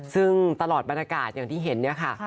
ซึ่งตลอดบรรยากาศอย่างที่เห็นเนี่ยค่ะ